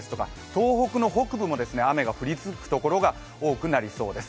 東北の北部でも雨が降り続くところが多くなりそうです。